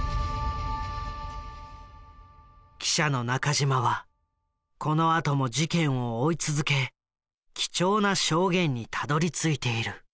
記者の中島はこのあとも事件を追い続け貴重な証言にたどりついている。